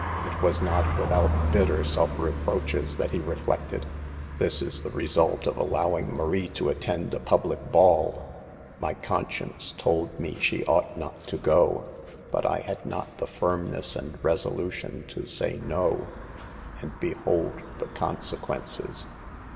It was not without bitter self reproaches that he reflected :" This is the result of allowing Marie to attend a public ball. My conscience told me she ought not to go, but 1 had not the firmness and resolution to say no, and behold the con sequences."